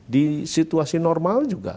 di situasi normal juga